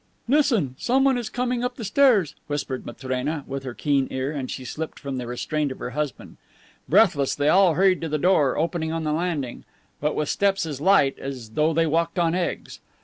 "Listen. Someone is coming up the stairs," whispered Matrena, with her keen ear, and she slipped from the restraint of her husband. Breathless, they all hurried to the door opening on the landing, but with steps as light "as though they walked on eggs."